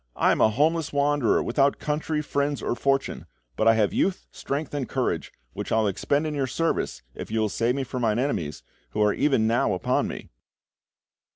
I am a homeless wanderer, without country, friends, or fortune, but I have youth, strength, and courage, which I will expend in your service if you will save me from my enemies, who are even now upon me!"